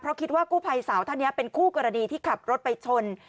เพราะคิดว่ากู้ภัยสาวท่านนี้เป็นคู่กรณีที่ขับรถไปชน